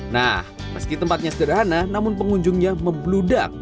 nah meski tempatnya sederhana namun pengunjungnya membludak